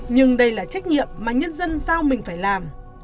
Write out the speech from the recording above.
nhưng đây là trách nhiệm mà nhân dân giao mình phải làm